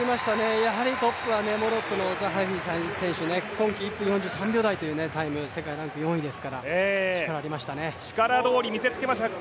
やはりトップはモロッコのザハフィ選手今季１分４３秒台というタイム世界ランク４位ですから力がありましたね。